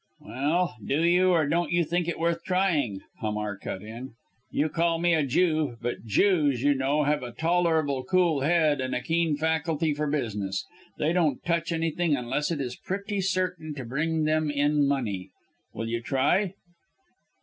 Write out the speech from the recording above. "Well do you or don't you think it worth trying?" Hamar cut in. "You call me a Jew but Jews, you know, have a tolerably cool head, and a keen faculty for business. They don't touch anything unless it is pretty certain to bring them in money. Will you try?"